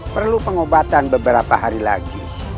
perlu pengobatan beberapa hari lagi